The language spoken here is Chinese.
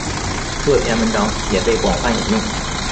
这篇文章也被广泛引用。